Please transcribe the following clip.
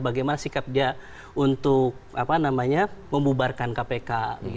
bagaimana sikap dia untuk membubarkan kpk